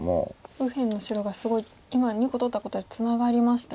右辺の白がすごい今２個取ったことでツナがりましたよね。